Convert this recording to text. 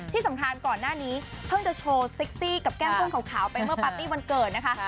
ที่สำคัญก่อนหน้านี้เพิ่งจะโชว์เซ็กซี่กับแก้มกุ้งขาวไปเมื่อปาร์ตี้วันเกิดนะคะ